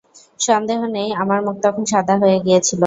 সন্দেহ নেই আমার মুখ তখন সাদা হয়ে গিয়েছিল।